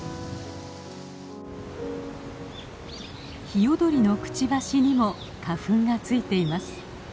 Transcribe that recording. ヒヨドリのくちばしにも花粉が付いています。